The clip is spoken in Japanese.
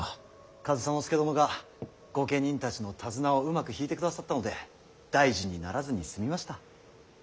上総介殿が御家人たちの手綱をうまく引いてくださったので大事にならずに済みました。